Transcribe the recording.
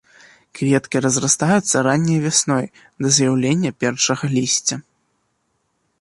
Кветкі разрастаюцца ранняй вясной да з'яўлення першага лісця.